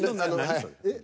えっ？